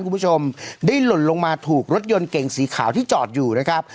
คุณผู้ชมได้หล่นลงมาถูกรถยนต์เก่งสีขาวที่จอดอยู่นะครับ